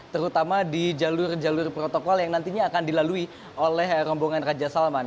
terutama di jalur jalur protokol yang nantinya akan dilalui oleh rombongan raja salman